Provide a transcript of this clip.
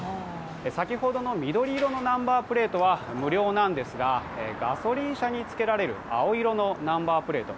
先ほどの緑色のナンバープレートは無料なんですがガソリン車につけられる青色のナンバープレート